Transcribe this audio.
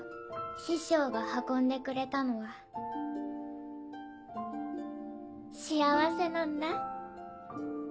師匠が運んでくれたのは「幸せ」なんだ。